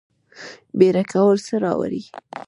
بیړه کول څه راوړي؟